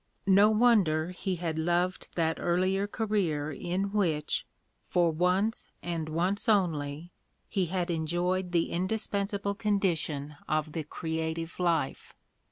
No wonder he had loved that earlier career in which, for once and once only, he had enjoyed the indis pensable condition of the creative life.